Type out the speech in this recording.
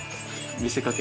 見せかけ？